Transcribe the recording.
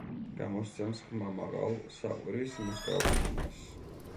გამოსცემს ხმამაღალ, საყვირის მსგავს ხმას.